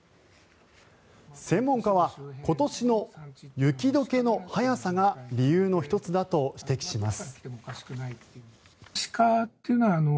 専門家は今年の雪解けの早さが理由の１つだと指摘します。